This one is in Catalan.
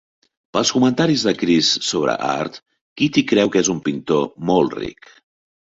Pels comentaris de Chris sobre art, Kitty creu que és un pintor molt ric.